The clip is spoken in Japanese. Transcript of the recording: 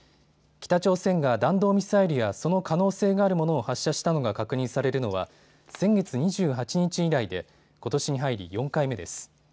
北朝鮮が弾道ミサイルやその可能性があるものを発射したのが確認されるのは先月２８日以来でことしに入り４回目です。